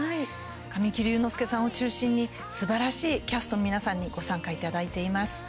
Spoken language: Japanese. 神木隆之介さんを中心にすばらしいキャストの皆さんにご参加いただいています。